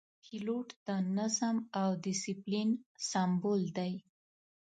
پیلوټ د نظم او دسپلین سمبول دی.